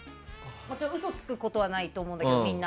もちろん嘘をつくことはないと思うんですが。